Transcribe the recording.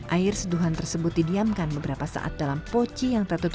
air seduhan tersebut didiamkan beberapa saat dalam poci yang tertutup